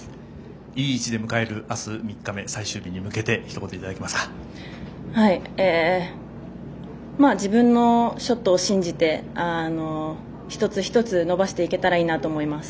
いい位置で迎える明日３日目最終日に向けて自分のショットを信じて一つ一つ伸ばしていけたらいいなと思います。